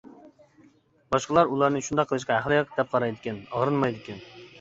باشقىلار ئۇلارنى شۇنداق قىلىشقا ھەقلىق، دەپ قارايدىكەن، ئاغرىنمايدىكەن.